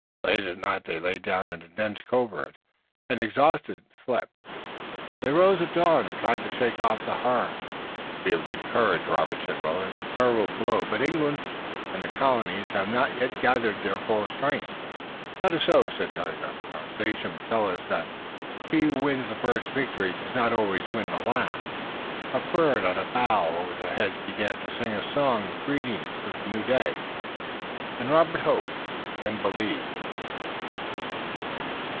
Late at night they lay down in a dense covert, and exhausted, slept. They rose at dawn, and tried to shake off the horror. "Be of good courage, Robert," said Willet. "It's a terrible blow, but England and the colonies have not yet gathered their full strength." "That is so," said Tayoga. "Our sachems tell us that he who wins the first victory does not always win the last." A bird on a bough over their heads began to sing a song of greeting to the new day, and Robert hoped and believed.